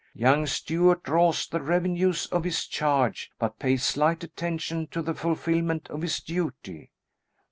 Young Stuart draws the revenues of his charge, but pays slight attention to the fulfilment of his duty."